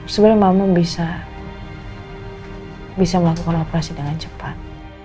sebenarnya makmum bisa melakukan operasi dengan cepat